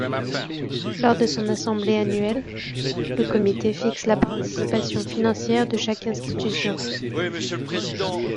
Lors de son assemblée annuelle, le comité fixe la participation financière de chaque institution.